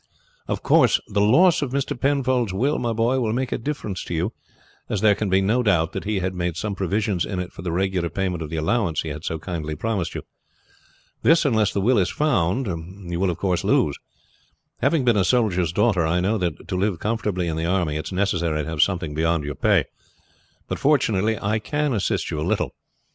"Of course the loss of Mr. Penfold's will, my boy, will make a difference to you, as there can be no doubt that he had made some provisions in it for the regular payment of the allowance he had so kindly promised you. This, unless the will is found, you will of course lose. Having been a soldier's daughter, I know that to live comfortably in the army it is necessary to have something beyond your pay; but fortunately I can assist you a little.